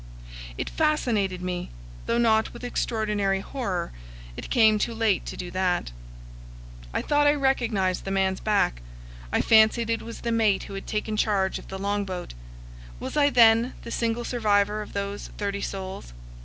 It fascinated me, though not with extraordinary horror; it came too late to do that. I thought I recognized the man's back. I fancied it was the mate who had taken charge of the long boat. Was I then the single survivor of those thirty souls?